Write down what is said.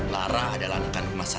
lara adalah anak ini plat charlotte